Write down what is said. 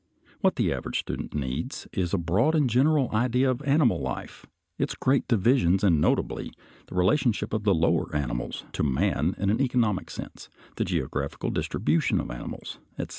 What the average student needs is a broad and general idea of animal life, its great divisions, and notably the relationship of the lower animals to man in an economic sense, the geographical distribution of animals, etc.